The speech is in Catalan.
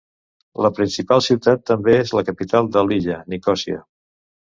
La principal ciutat també és la capital de l'illa, Nicòsia.